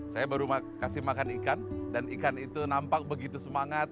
saya baru kasih makan ikan dan ikan itu nampak begitu semangat